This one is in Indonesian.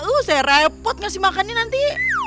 usah repot ngasih makannya nanti